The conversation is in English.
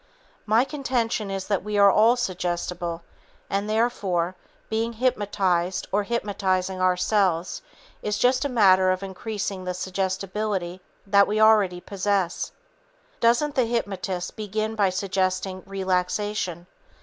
My contention is that we are all suggestible and, therefore, being hypnotized or hypnotizing ourselves is just a matter of increasing the suggestibility that we already possess. Doesn't the hypnotist begin by suggesting relaxation?